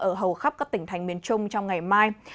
ở hầu khắp các tỉnh thành miền trung trong ngày mai